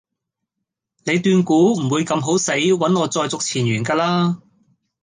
你斷估唔會咁好死搵我再續前緣架喇?